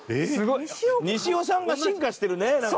西尾さんが進化してるねなんか。